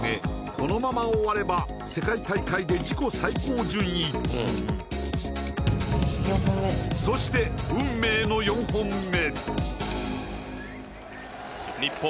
このまま終われば世界大会で自己最高順位そして運命の４本目日本